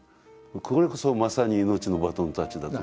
これこそまさに命のバトンタッチだと。